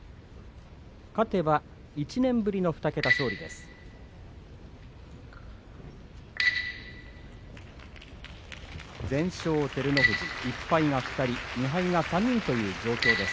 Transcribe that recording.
勝てば１年ぶりの２桁勝利です。